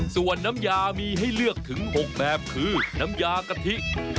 ส่วนน้ำยามีให้เลือกถึง๖แบบคือน้ำยากะทิ